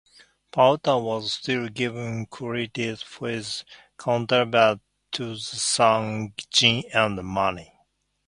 Powter was still given credit for his contributions to the song "Gin and Money".